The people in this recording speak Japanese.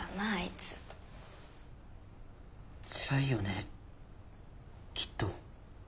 つらいよねきっと。